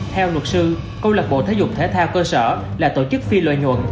theo luật sư câu lạc bộ thể dục thể thao cơ sở là tổ chức phi lợi nhuận